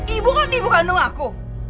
ibu kan ibu kandung aku